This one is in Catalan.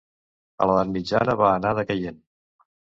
A l'edat mitjana va anar decaient.